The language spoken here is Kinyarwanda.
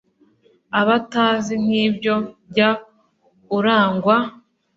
abatazi nk'ibyo, jya urangwa